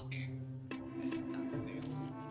terima kasih kak